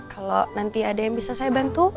kalau nanti ada yang bisa saya bantu